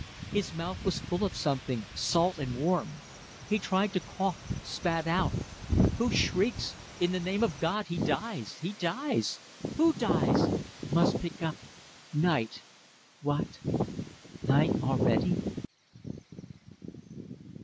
His mouth was full of something salt and warm. He tried to cough; spat out. ... Who shrieks: In the name of God, he dies! he dies! Who dies? Must pick up Night! What? ... Night already.